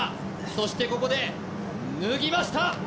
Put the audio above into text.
そしてここで脱ぎました